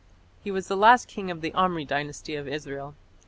He was the last king of the Omri Dynasty of Israel.